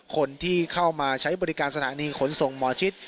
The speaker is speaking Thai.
คนที่เข้ามาใช้บริการสถานีขนส่งหมอชิด